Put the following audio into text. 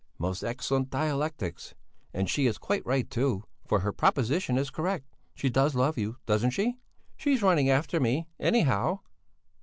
"Most excellent dialectics! And she is quite right too, for her first proposition is correct. She does love you, doesn't she?" "She's running after me, anyhow."